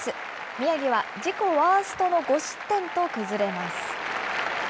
宮城は自己ワーストの５失点と崩れます。